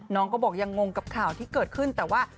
น้องก็บอกยังงงกับข่าวที่เกิดขึ้นแต่ว่า